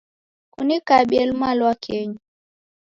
Kunikabie lumalwakenyi.